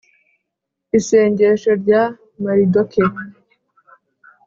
isengesho rya maridoke